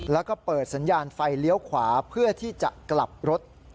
แล้วก็เปิดสัญญาณไฟเลี้ยวขวาเพื่อที่จะกลับรถ